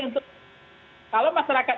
untuk kalau masyarakat